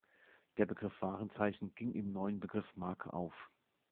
Der Begriff „Warenzeichen“ ging im neuen Begriff „Marke“ auf.